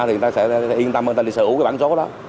thì người ta sẽ yên tâm người ta đi sở hữu cái bản số đó